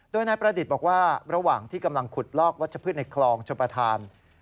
โดยนายประดิษฐ์บอกว่าระหว่างที่กำลังขุดลอกวัชพืชในคลองชมประธาน